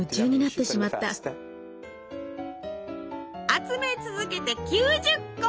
集め続けて９０個！